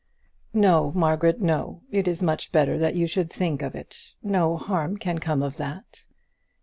"No, Margaret, no. It is much better that you should think of it. No harm can come of that."